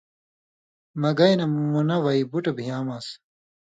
مہ گئ نہ منہ وئ بٹُو بھیامان٘س